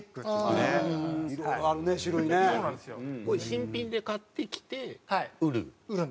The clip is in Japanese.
新品で買ってきて売る？